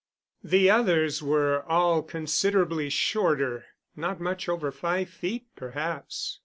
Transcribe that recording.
The others were all considerably shorter not much over five feet, perhaps.